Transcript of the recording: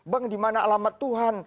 bang dimana alamat tuhan